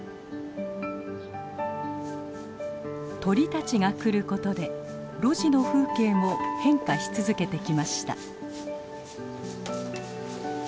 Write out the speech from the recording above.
鳥たちが来ることで露地の風景も変化し続けてきました。